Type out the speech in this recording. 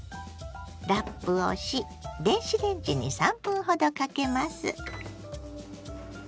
ラップをし電子レンジに３分ほどかけます。